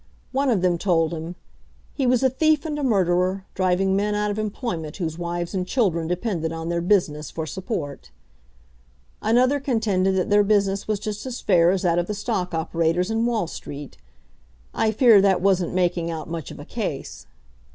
One of them told him, "he was a thief and a murderer, driving men out of employment whose wives and children depended on their business for support." Another contended that their business was just as fair as that of the stock operators in Wall street. I fear that wasn't making out much of a case.